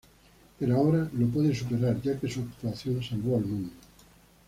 Pero ahora lo puede superar ya que su actuación salvó al mundo.